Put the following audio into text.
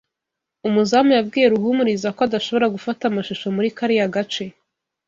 Umuzamu yabwiye Ruhumuriza ko adashobora gufata amashusho muri kariya gace.